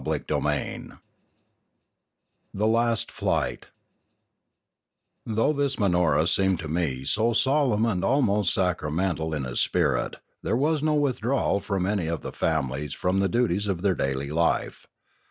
CHAPTER XIV THE LAST FLIGHT THOUGH this Manora seemed to me so solemn and almost sacramental in its spirit, there was no withdrawal of any of the families from the duties of their daily life.